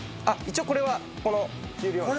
あ一応これはこの重量。